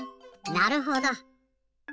なるほど。